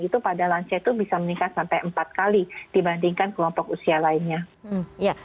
itu pada lansia itu bisa meningkat sampai empat kali dibandingkan kelompok usia lainnya